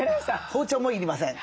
包丁も要りません。